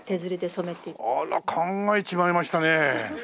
あら考えちまいましたね。